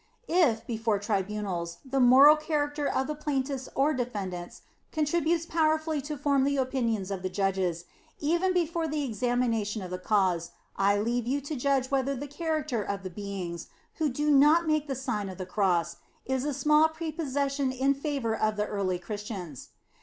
If, before tribunals, the moral character of the plaintiffs or defendants contributes pow erfully to form the opinions of the judges, even before the examination of the cause, I leave you to judge whether the character of the beings who do not make the Sign of the Cross is a small prepossession in favor of the early Christians.